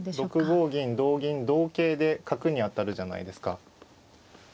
６五銀同銀同桂で角に当たるじゃないですか。